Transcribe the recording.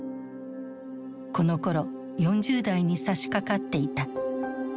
このころ４０代にさしかかっていた。